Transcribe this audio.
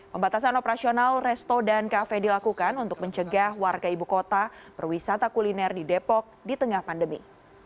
pembatasan operasional resto dan kafe dilakukan untuk mencegah warga ibu kota berwisata kuliner di depok di tengah pandemi